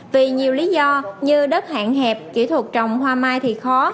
vì nhiều lý do như đất hạn hẹp kỹ thuật trồng hoa mai thì khó